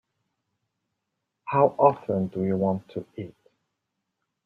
How often do you want to eat?